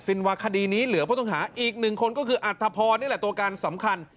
ว่าคดีนี้เหลือผู้ต้องหาอีกหนึ่งคนก็คืออัธพรนี่แหละตัวการสำคัญ